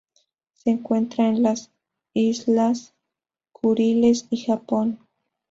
Se encuentran en las Islas Kuriles y Japón.